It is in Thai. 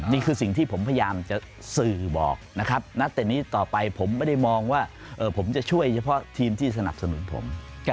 นี่คือสิ่งที่ผมพยายามจะสื่อบอกนะครับนัดแต่นี้ต่อไปผมไม่ได้มองว่าผมจะช่วยเฉพาะทีมที่สนับสนุนผม